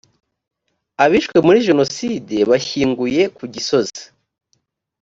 abishwe muri jenoside bashyinguye kugisozi.